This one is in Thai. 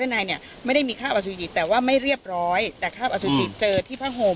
ในเนี่ยไม่ได้มีค่าอสุจิแต่ว่าไม่เรียบร้อยแต่คราบอสุจิเจอที่ผ้าห่ม